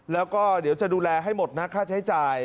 แล้วก็เดี๋ยวจะดูแลให้หมดนะค่าใช้จ่าย